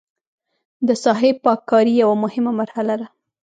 د ساحې پاک کاري یوه مهمه مرحله ده